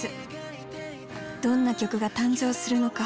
どんな曲が誕生するのか？